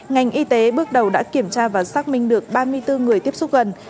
ngành y tế bước đầu đã kiểm tra và xác minh được ba mươi bốn người tiếp xúc gần